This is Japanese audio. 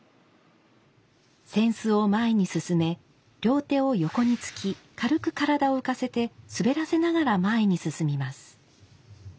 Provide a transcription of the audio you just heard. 扇子を前に進め両手を横につき軽く体を浮かせて滑らせながら前に進みます。